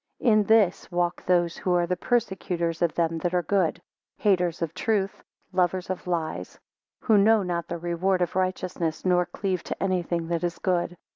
3 In this, walk those, who are the persecutors of them that are good; haters of truth; lovers of lies; who know not the reward of righteousness, nor cleave to any thing that is good.